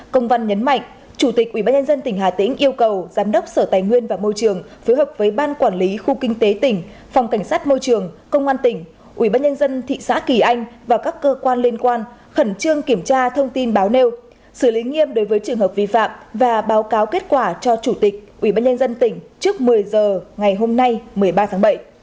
công văn nhấn mạnh chủ tịch ủy ban nhân dân tỉnh hà tĩnh yêu cầu giám đốc sở tài nguyên và môi trường phối hợp với ban quản lý khu kinh tế tỉnh phòng cảnh sát môi trường công an tỉnh ủy ban nhân dân thị xã kỳ anh và các cơ quan liên quan khẩn trương kiểm tra thông tin báo nêu xử lý nghiêm đối với trường hợp vi phạm và báo cáo kết quả cho chủ tịch ủy ban nhân dân tỉnh trước một mươi h ngày hôm nay một mươi ba tháng bảy